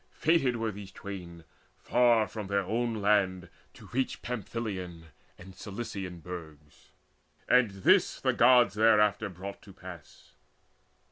Fated were these twain, far from their own land, To reach Pamphylian and Cilician burgs; And this the Gods thereafter brought to pass.